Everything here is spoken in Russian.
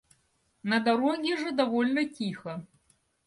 На дороге же довольно тихо.